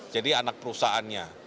jadi anak perusahaannya